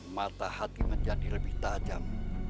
mata hati menjadi lebih tajam